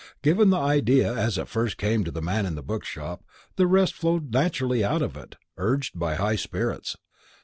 Given the idea as it first came to the man in the bookshop, the rest flowed naturally out of it, urged by high spirits.